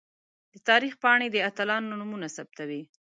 د تاریخ پاڼې د اتلانو نومونه ثبتوي.